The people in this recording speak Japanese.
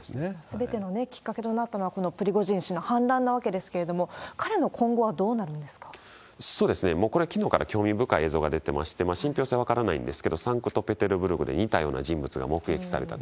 すべてのきっかけとなったのは、このプリゴジン氏の反乱なわけですけれども、彼の今後はどうこれはきのうから興味深い映像が出てまして、真相は分からないんですけれども、サンクトペテルブルクで似たような人物が目撃されたと。